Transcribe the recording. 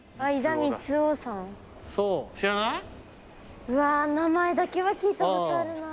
うわー名前だけは聞いたことあるな。